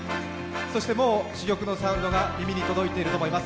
そしてもう珠玉のサウンドが耳に届いていると思います。